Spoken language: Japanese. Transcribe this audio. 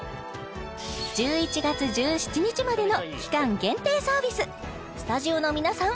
１１月１７日までの期間限定サービススタジオの皆さん